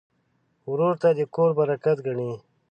ورور ته د کور برکت ګڼې.